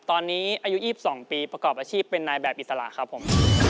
ตอนนี้อายุ๒๒ปีประกอบอาชีพเป็นนายแบบอิสระครับผม